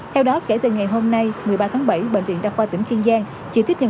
theo đó kể từ ngày hôm nay một mươi ba tháng bảy bệnh viện đặc khoa tỉnh kiên giang chỉ tiếp nhận